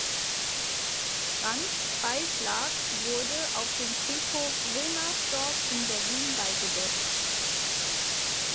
Franz Beyschlag wurde auf dem Friedhof Wilmersdorf in Berlin beigesetzt.